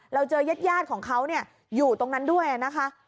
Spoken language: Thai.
เราเจอยุทธิ์ญาติของเขาอยู่ตรงนั้นด้วยนะคะ